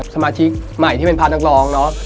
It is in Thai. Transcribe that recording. สมาชิกใหม่ที่เป็นพาร์ทนักร้องเนอะ